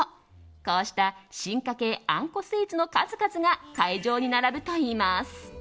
こうした進化形あんこスイーツの数々が会場に並ぶといいます。